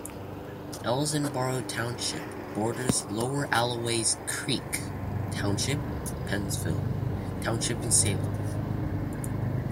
Elsinboro Township borders Lower Alloways Creek Township, Pennsville Township and Salem.